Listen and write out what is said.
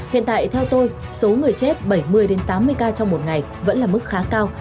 hiện tại theo tôi số người chết bảy mươi tám mươi ca trong một ngày vẫn là mức khá cao